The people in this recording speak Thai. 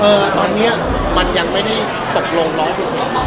เออตอนเนี้ยมันยังไม่ได้ตกลงร้องเฉย